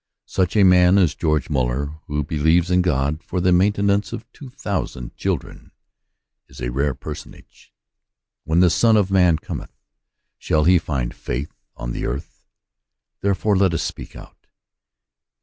Such a man as George Muller, who believes in God for the maintenance of two thousand children, is a rare personage. "When the Son of man cometh, shall he find faith on the earth ?" Therefore let us speak out.